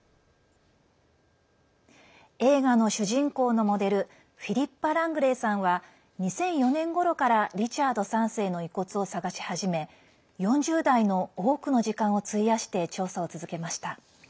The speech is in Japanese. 映画の主人公のモデルフィリッパ・ラングレーさんは２００４年ごろからリチャード３世の遺骨を探し始め４０代の多くの時間を費やして調査を続けました。